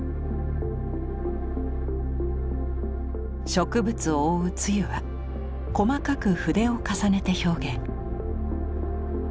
植物を覆う露は細かく筆を重ねて表現。